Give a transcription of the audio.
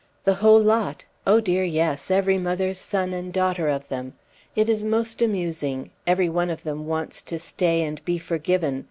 The whole lot? Oh, dear, yes every mother's son and daughter of them. It is most amusing; every one of them wants to stay and be forgiven.